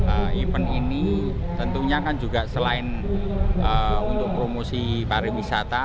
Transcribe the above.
event ini tentunya kan juga selain untuk promosi pariwisata